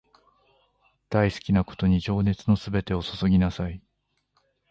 大好きなことに情熱のすべてを注ぎなさい